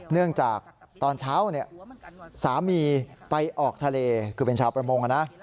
เนื่องจากตอนเช้าสามีไปออกทะเลคือเป็นชาวประมงนะ